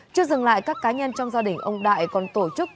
chưa dừng lại các cá nhân trong gia đình ông đại còn tổ chức